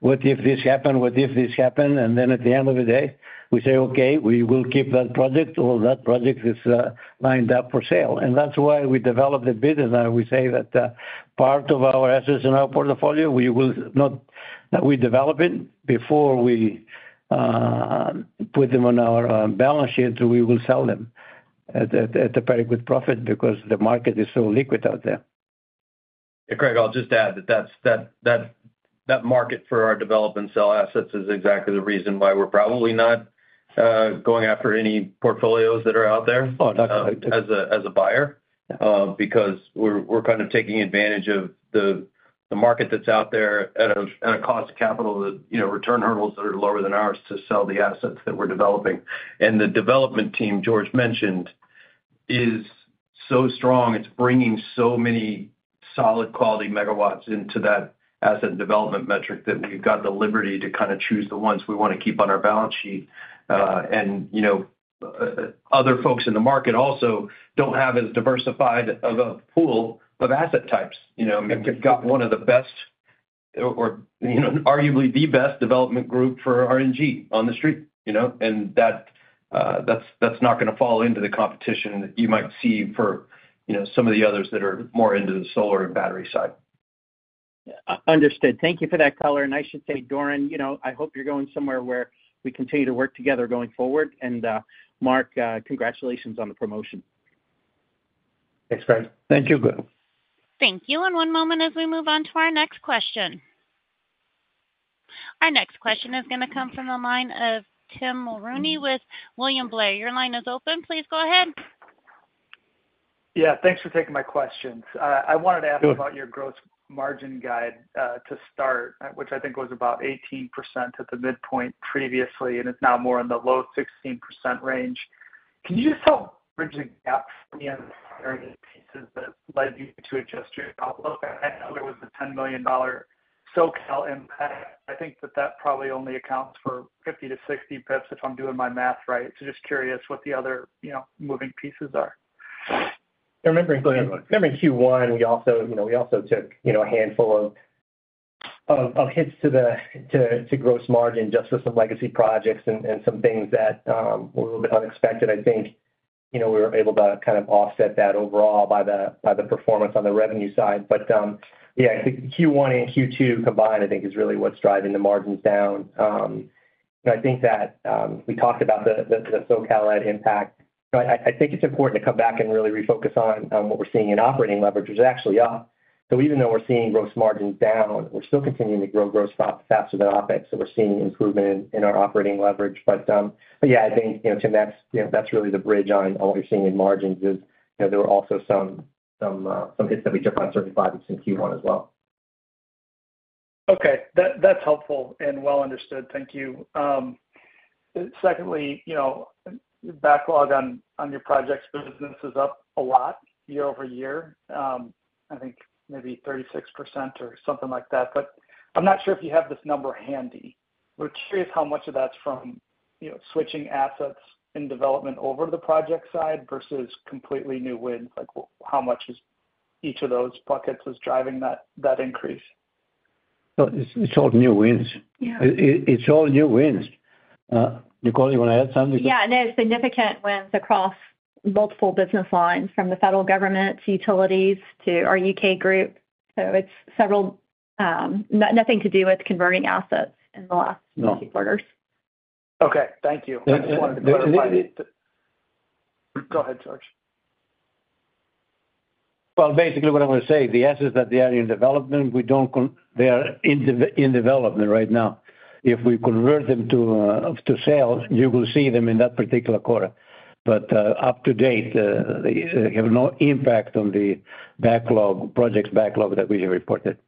what if this happened, what if this happened, and then at the end of the day, we say, "Okay, we will keep that project or that project is lined up for sale." That's why we develop the business. We say that part of our assets in our portfolio, we will not that we develop it before we put them on our balance sheet, we will sell them at a very good profit because the market is so liquid out there. Yeah, Craig, I'll just add that that market for our develop and sell assets is exactly the reason why we're probably not going after any portfolios that are out there as a buyer because we're kind of taking advantage of the market that's out there at a cost of capital that return hurdles that are lower than ours to sell the assets that we're developing. And the development team, George mentioned, is so strong. It's bringing so many solid quality megawatts into that asset development metric that we've got the liberty to kind of choose the ones we want to keep on our balance sheet. And other folks in the market also don't have as diversified of a pool of asset types. You've got one of the best or arguably the best development group for RNG on the street. That's not going to fall into the competition that you might see for some of the others that are more into the solar and battery side. Understood. Thank you for that, Tyler. And I should say, Doran, I hope you're going somewhere where we continue to work together going forward. And Mark, congratulations on the promotion. Thanks, Craig. Thank you, Craig. Thank you. One moment as we move on to our next question. Our next question is going to come from the line of Tim Mulrooney with William Blair. Your line is open. Please go ahead. Yeah. Thanks for taking my questions. I wanted to ask about your gross margin guide to start, which I think was about 18% at the midpoint previously, and it's now more in the low 16% range. Can you just help bridge the gap for me on the priority pieces that led you to adjust your outlook? I know there was a $10 million SoCal impact. I think that that probably only accounts for 50 to 60 pips if I'm doing my math right. So just curious what the other moving pieces are. Remember in Q1, we also took a handful of hits to gross margin just for some legacy projects and some things that were a little bit unexpected. I think we were able to kind of offset that overall by the performance on the revenue side. But yeah, I think Q1 and Q2 combined, I think, is really what's driving the margins down. And I think that we talked about the SoCal impact. I think it's important to come back and really refocus on what we're seeing in operating leverage, which is actually up. So even though we're seeing gross margins down, we're still continuing to grow gross faster than OPEX. So we're seeing improvement in our operating leverage. But yeah, I think, Tim, that's really the bridge on what you're seeing in margins is there were also some hits that we took on certain projects in Q1 as well. Okay. That's helpful and well understood. Thank you. Secondly, backlog on your projects business is up a lot year-over-year, I think maybe 36% or something like that. But I'm not sure if you have this number handy. We're curious how much of that's from switching assets in development over to the project side versus completely new wins. How much is each of those buckets driving that increase? It's all new wins. It's all new wins. Nicole, you want to add something? Yeah. There's significant wins across multiple business lines from the federal government to utilities to our U.K. group. So it's several, nothing to do with converting assets in the last nine quarters. Okay. Thank you. I just wanted to clarify. Go ahead, George. Well, basically what I want to say, the assets that they are in development, they are in development right now. If we convert them to sales, you will see them in that particular quarter. But to date, they have no impact on the backlog, project backlog that we have reported.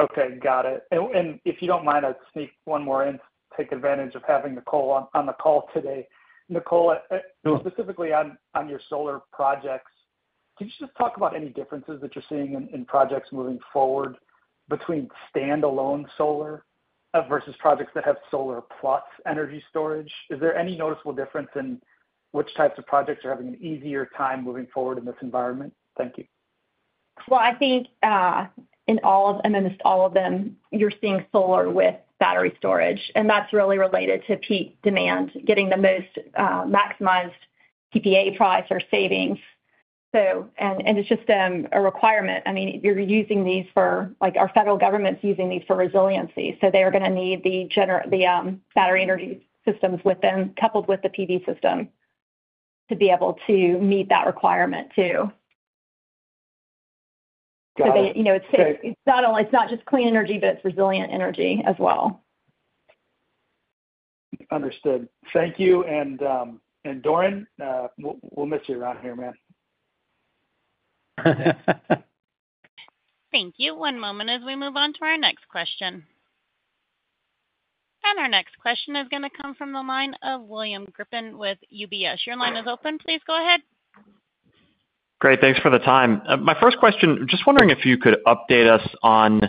Okay. Got it. And if you don't mind, I'll sneak one more in to take advantage of having Nicole on the call today. Nicole, specifically on your solar projects, could you just talk about any differences that you're seeing in projects moving forward between standalone solar versus projects that have solar plus energy storage? Is there any noticeable difference in which types of projects are having an easier time moving forward in this environment? Thank you. Well, I think in all of, amidst all of them, you're seeing solar with battery storage. And that's really related to peak demand, getting the most maximized PPA price or savings. And it's just a requirement. I mean, you're using these for our federal government's using these for resiliency. So they are going to need the battery energy systems with them, coupled with the PV system, to be able to meet that requirement too. So it's not just clean energy, but it's resilient energy as well. Understood. Thank you. And Doran, we'll miss you around here, man. Thank you. One moment as we move on to our next question. Our next question is going to come from the line of William Grippin with UBS. Your line is open. Please go ahead. Great. Thanks for the time. My first question, just wondering if you could update us on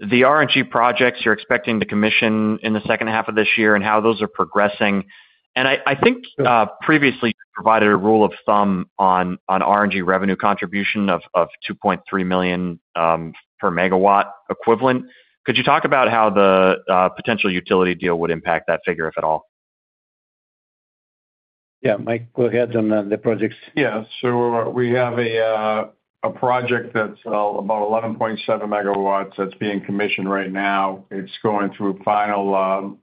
the RNG projects you're expecting to commission in the second half of this year and how those are progressing. I think previously you provided a rule of thumb on RNG revenue contribution of $2.3 million per megawatt equivalent. Could you talk about how the potential utility deal would impact that figure, if at all? Yeah. Mike, go ahead on the projects. Yeah. So we have a project that's about 11.7 MW that's being commissioned right now. It's going through final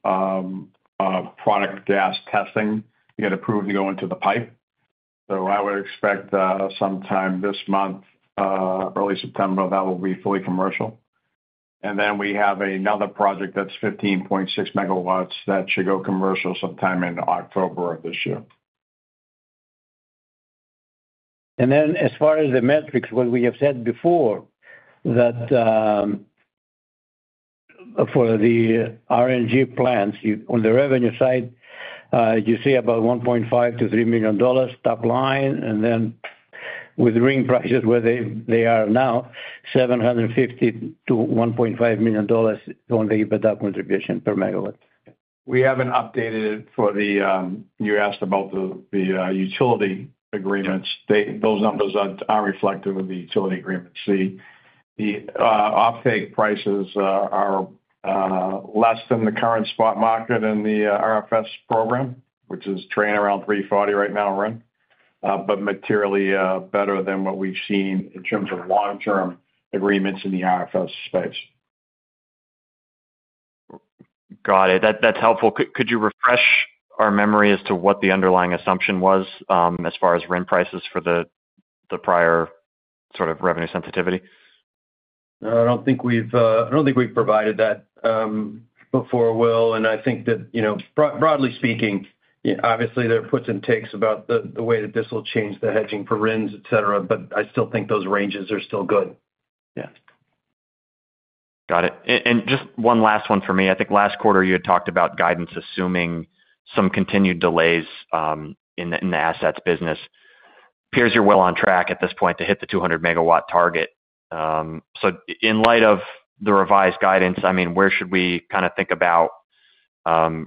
product gas testing. You got to prove you go into the pipe. So I would expect sometime this month, early September, that will be fully commercial. And then we have another project that's 15.6 MW that should go commercial sometime in October of this year. Then as far as the metrics, what we have said before that for the RNG plants on the revenue side, you see about $1.5 million-$3 million top line. And then with RIN prices where they are now, $750,000-$1.5 million on the EBITDA contribution per megawatt. We haven't updated it for the, you asked about the utility agreements. Those numbers are reflective of the utility agreement. See, the offtake prices are less than the current spot market in the RFS program, which is trading around 340 right now, right? But materially better than what we've seen in terms of long-term agreements in the RFS space. Got it. That's helpful. Could you refresh our memory as to what the underlying assumption was as far as RIN prices for the prior sort of revenue sensitivity? I don't think we've provided that before, Will. I think that broadly speaking, obviously there are puts and takes about the way that this will change the hedging for RINs, etc. I still think those ranges are still good. Yeah. Got it. And just one last one for me. I think last quarter you had talked about guidance assuming some continued delays in the assets business. Appears you're well on track at this point to hit the 200 MW target. So in light of the revised guidance, I mean, where should we kind of think about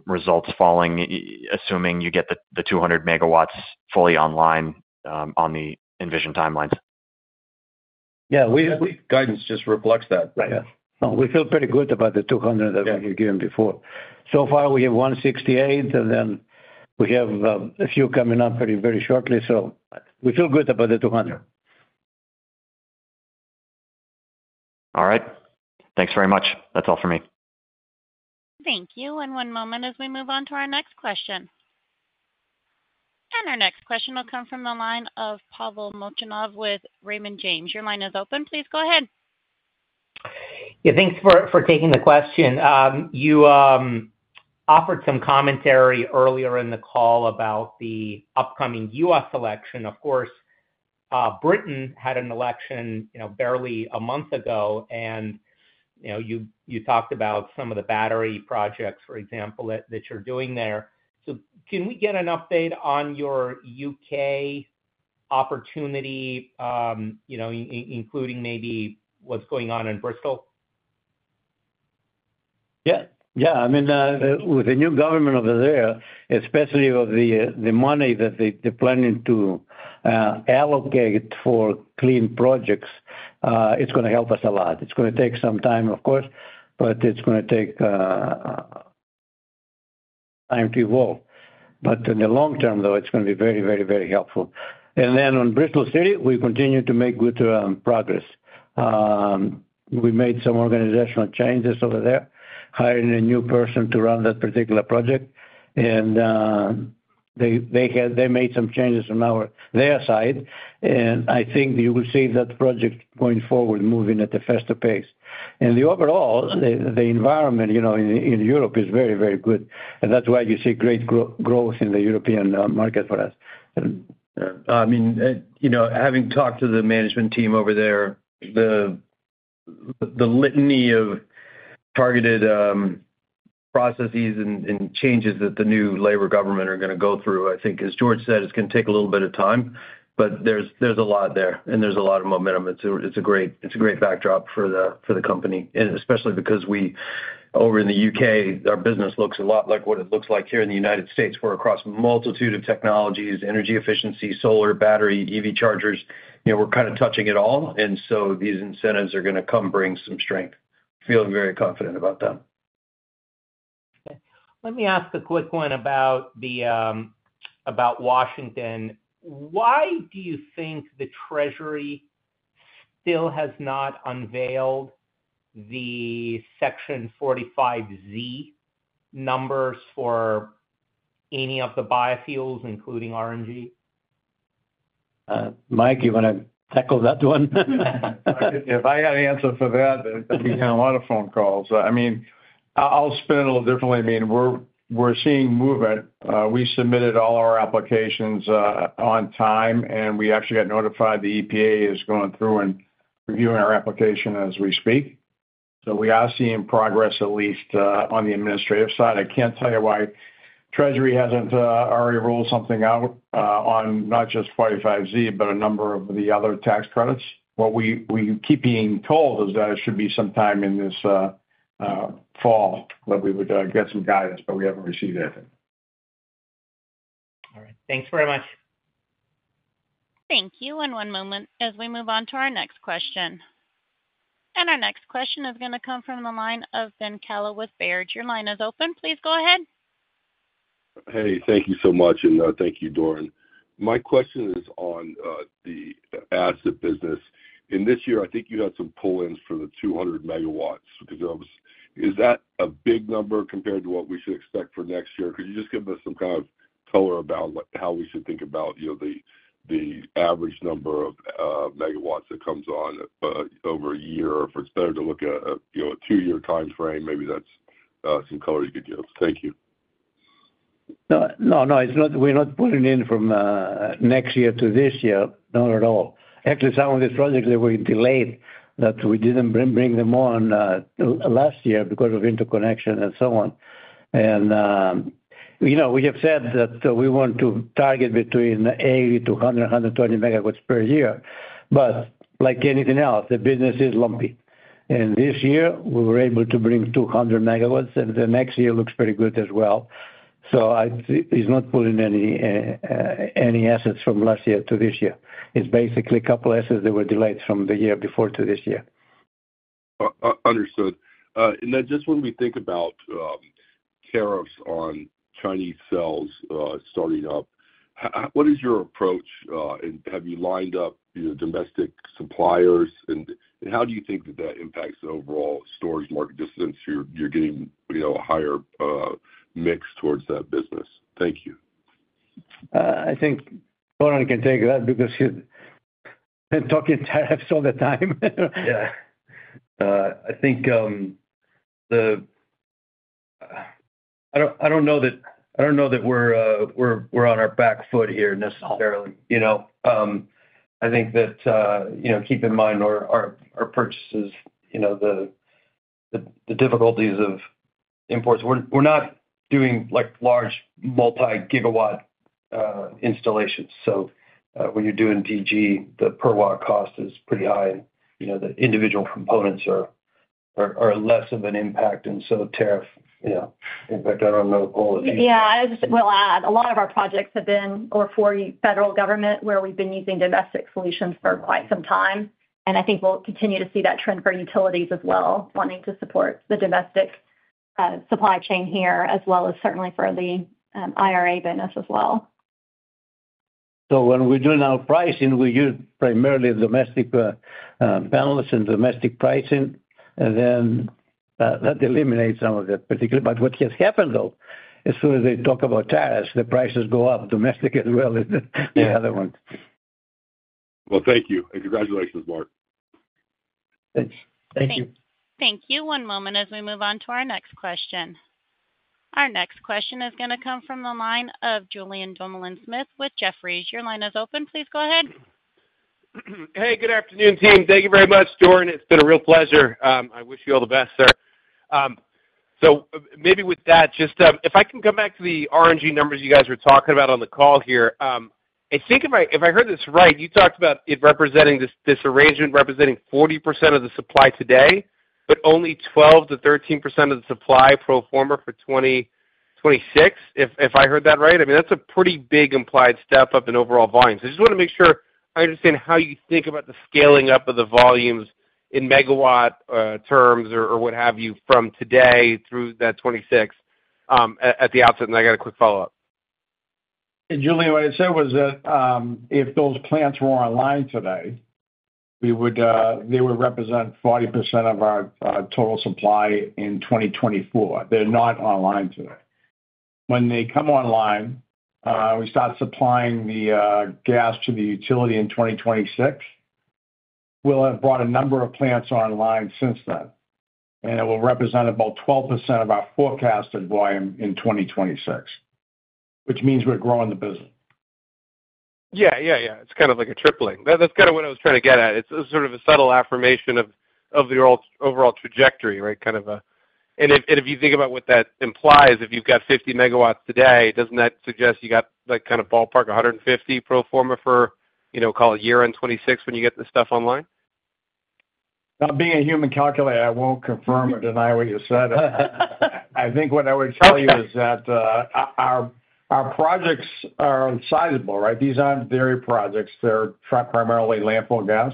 results falling assuming you get the 200 MW fully online on the envisioned timelines? Yeah. Guidance just reflects that. We feel pretty good about the 200 that we were given before. So far we have 168, and then we have a few coming up very, very shortly. So we feel good about the 200. All right. Thanks very much. That's all for me. Thank you. One moment as we move on to our next question. Our next question will come from the line of Pavel Molchanov with Raymond James. Your line is open. Please go ahead. Yeah. Thanks for taking the question. You offered some commentary earlier in the call about the upcoming U.S. election. Of course, Britain had an election barely a month ago. You talked about some of the battery projects, for example, that you're doing there. Can we get an update on your U.K. opportunity, including maybe what's going on in Bristol? Yeah. Yeah. I mean, with the new government over there, especially with the money that they're planning to allocate for clean projects, it's going to help us a lot. It's going to take some time, of course, but it's going to take time to evolve. But in the long term, though, it's going to be very, very, very helpful. And then on Bristol City, we continue to make good progress. We made some organizational changes over there, hiring a new person to run that particular project. And they made some changes on their side. And I think you will see that project going forward moving at a faster pace. And overall, the environment in Europe is very, very good. And that's why you see great growth in the European market for us. I mean, having talked to the management team over there, the litany of targeted processes and changes that the new Labour government are going to go through, I think, as George said, it's going to take a little bit of time. But there's a lot there, and there's a lot of momentum. It's a great backdrop for the company, especially because over in the U.K., our business looks a lot like what it looks like here in the United States, where across a multitude of technologies, energy efficiency, solar, battery, EV chargers, we're kind of touching it all. And so these incentives are going to come bring some strength. Feel very confident about that. Okay. Let me ask a quick one about Washington. Why do you think the Treasury still has not unveiled the Section 45Z numbers for any of the biofuels, including RNG? Mike, you want to tackle that one? If I had an answer for that, there'd be a lot of phone calls. I mean, I'll spin it a little differently. I mean, we're seeing movement. We submitted all our applications on time, and we actually got notified the EPA is going through and reviewing our application as we speak. So we are seeing progress at least on the administrative side. I can't tell you why Treasury hasn't already rolled something out on not just 45Z, but a number of the other tax credits. What we keep being told is that it should be sometime in this fall that we would get some guidance, but we haven't received anything. All right. Thanks very much. Thank you. And one moment as we move on to our next question. And our next question is going to come from the line of Ben Kallo with Baird. Your line is open. Please go ahead. Hey, thank you so much. Thank you, Doran. My question is on the asset business. In this year, I think you had some pull-ins for the 200 MW. Is that a big number compared to what we should expect for next year? Could you just give us some kind of color about how we should think about the average number of megawatts that comes on over a year? If it's better to look at a 2-year time frame, maybe that's some color you could give. Thank you. No, no. We're not pulling in from next year to this year, not at all. Actually, some of these projects that were delayed, that we didn't bring them on last year because of interconnection and so on. We have said that we want to target between 80-120 MW per year. But like anything else, the business is lumpy. And this year, we were able to bring 200 MW, and the next year looks pretty good as well. So it's not pulling any assets from last year to this year. It's basically a couple of assets that were delayed from the year before to this year. Understood. And then just when we think about tariffs on Chinese cells starting up, what is your approach? And have you lined up your domestic suppliers? And how do you think that that impacts the overall storage market just since you're getting a higher mix towards that business? Thank you. I think Doran can take that because he's been talking tariffs all the time. Yeah. I think that I don't know that we're on our back foot here necessarily. I think that, keep in mind our purchases, the difficulties of imports. We're not doing large multi-gigawatt installations. So when you're doing DG, the per-watt cost is pretty high. The individual components are less of an impact. And so tariffs, in fact, I don't know, Nicole. Yeah. I'll just add a lot of our projects have been for federal government where we've been using domestic solutions for quite some time. I think we'll continue to see that trend for utilities as well, wanting to support the domestic supply chain here, as well as certainly for the IRA business as well. So when we do now pricing, we use primarily domestic panels and domestic pricing. Then that eliminates some of that particular. But what has happened, though, as soon as they talk about tariffs, the prices go up, domestic as well as the other ones. Well, thank you. And congratulations, Mark. Thanks. Thank you. Thank you. One moment as we move on to our next question. Our next question is going to come from the line of Julien Dumoulin-Smith with Jefferies. Your line is open. Please go ahead. Hey, good afternoon, team. Thank you very much, Doran. It's been a real pleasure. I wish you all the best, sir. So maybe with that, just if I can come back to the RNG numbers you guys were talking about on the call here. I think if I heard this right, you talked about it representing this arrangement representing 40% of the supply today, but only 12%-13% of the supply pro forma for 2026, if I heard that right. I mean, that's a pretty big implied step up in overall volumes. I just want to make sure I understand how you think about the scaling up of the volumes in megawatt terms or what have you from today through that 2026 at the outset. And I got a quick follow-up. Julien, what I said was that if those plants were online today, they would represent 40% of our total supply in 2024. They're not online today. When they come online, we start supplying the gas to the utility in 2026. We'll have brought a number of plants online since then. It will represent about 12% of our forecasted volume in 2026, which means we're growing the business. Yeah, yeah, yeah. It's kind of like a tripling. That's kind of what I was trying to get at. It's sort of a subtle affirmation of the overall trajectory, right? Kind of a. And if you think about what that implies, if you've got 50 MW today, doesn't that suggest you got kind of ballpark 150 pro forma for, call it year-end 2026 when you get the stuff online? Not being a human calculator, I won't confirm or deny what you said. I think what I would tell you is that our projects are sizable, right? These aren't dairy projects. They're primarily landfill gas.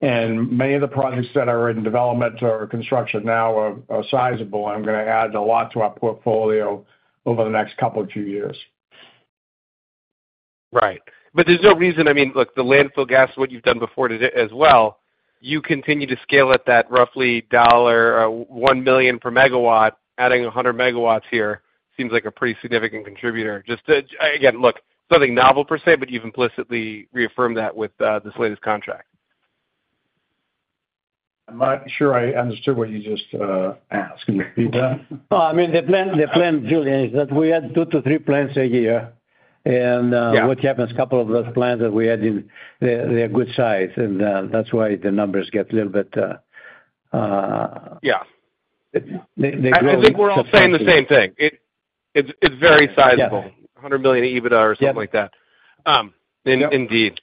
And many of the projects that are in development or construction now are sizable. I'm going to add a lot to our portfolio over the next couple of two years. Right. But there's no reason. I mean, look, the landfill gas, what you've done before today as well, you continue to scale at that roughly $1 million per megawatt, adding 100 MW here seems like a pretty significant contributor. Just again, look, it's nothing novel per se, but you've implicitly reaffirmed that with this latest contract. I'm not sure I understood what you just asked. Can you repeat that? Well, I mean, the plan, Julien, is that we add two to three plants a year. And what happens? A couple of those plants that we add in, they're good size. And that's why the numbers get a little bit. Yeah. I think we're all saying the same thing. It's very sizable. $100 million EBITDA or something like that. Indeed.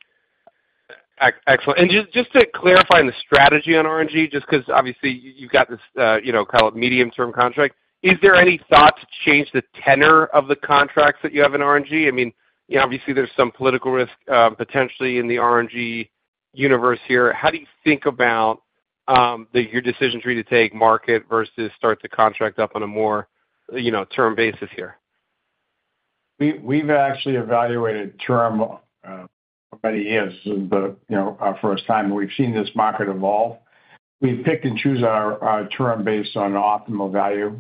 Excellent. And just to clarify the strategy on RNG, just because obviously you've got this kind of medium-term contract, is there any thought to change the tenor of the contracts that you have in RNG? I mean, obviously there's some political risk potentially in the RNG universe here. How do you think about your decision tree to take market versus start the contract up on a more term basis here? We've actually evaluated term already years for the first time. We've seen this market evolve. We pick and choose our term based on optimal value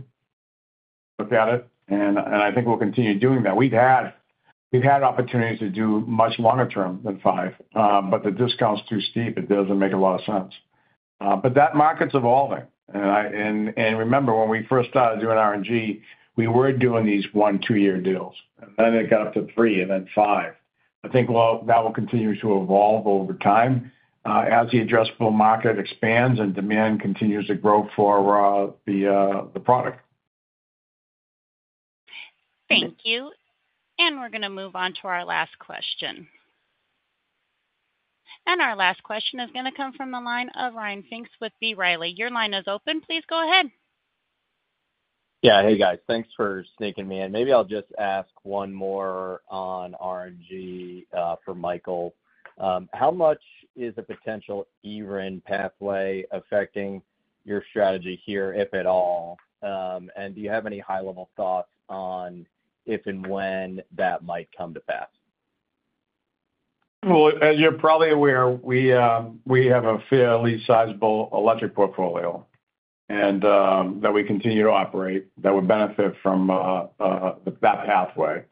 about it. And I think we'll continue doing that. We've had opportunities to do much longer term than five, but the discount's too steep. It doesn't make a lot of sense. But that market's evolving. And remember, when we first started doing RNG, we were doing these one, two-year deals. And then it got up to three and then five. I think, well, that will continue to evolve over time as the addressable market expands and demand continues to grow for the product. Thank you. We're going to move on to our last question. Our last question is going to come from the line of Ryan Pfingst with B. Riley. Your line is open. Please go ahead. Yeah. Hey, guys. Thanks for sneaking me in. Maybe I'll just ask one more on RNG for Michael. How much is the potential E-RIN pathway affecting your strategy here, if at all? And do you have any high-level thoughts on if and when that might come to pass? Well, as you're probably aware, we have a fairly sizable electric portfolio that we continue to operate that would benefit from that pathway.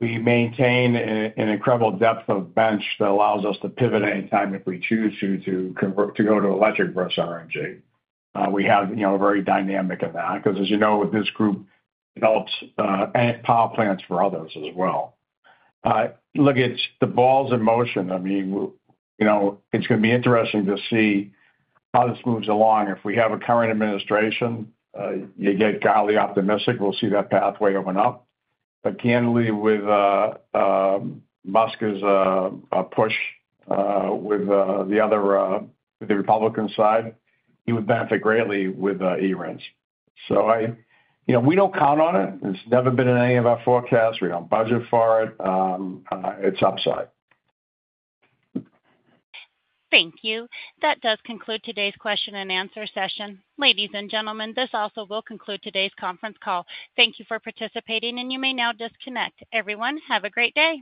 We maintain an incredible depth of bench that allows us to pivot anytime if we choose to go to electric versus RNG. We have a very dynamic in that. Because as you know, this group develops power plants for others as well. Look at the balls in motion. I mean, it's going to be interesting to see how this moves along. If we have a current administration, you get wildly optimistic. We'll see that pathway open up. But candidly, with Musk's push with the Republican side, he would benefit greatly with E-RINs. So we don't count on it. It's never been in any of our forecasts. We don't budget for it. It's upside. Thank you. That does conclude today's question and answer session. Ladies and gentlemen, this also will conclude today's conference call. Thank you for participating, and you may now disconnect. Everyone, have a great day.